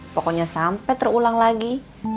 pokoknya sampe terulang lagi